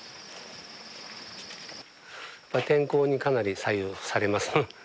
天候にかなり左右されます。